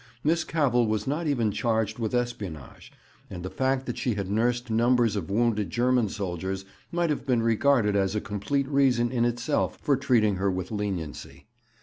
Miss Cavell was not even charged with espionage, and the fact that she had nursed numbers of wounded German soldiers might have been regarded as a complete reason in itself for treating her with leniency.